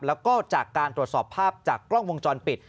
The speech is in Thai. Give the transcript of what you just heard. แล้วก็จากการตรวจสอบภาพจากกล้องวงจรปิด